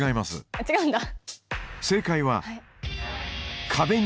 あっ違うんだ。